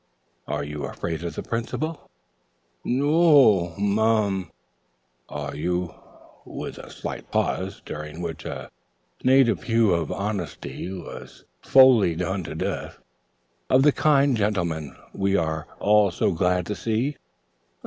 "Are you afraid of the Principal?" "N o o oh m a a an." "Are you afraid," with a slight pause, during which a native hue of honesty was foully done to death "of the kind gentleman we are all so glad to see?"